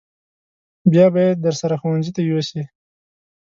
بیا به یې درسره ښوونځي ته یوسې.